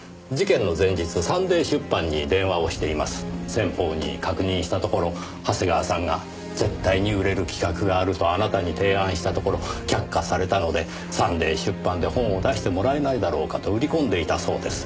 先方に確認したところ長谷川さんが絶対に売れる企画があるとあなたに提案したところ却下されたのでサンデー出版で本を出してもらえないだろうかと売り込んでいたそうです。